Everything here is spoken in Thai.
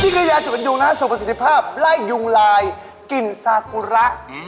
กระยาจุกันยุงนะฮะสู่ประสิทธิภาพไล่ยุงลายกลิ่นซากุระ